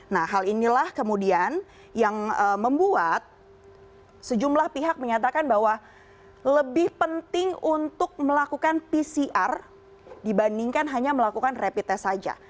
nah hal inilah kemudian yang membuat sejumlah pihak menyatakan bahwa lebih penting untuk melakukan pcr dibandingkan hanya melakukan rapid test saja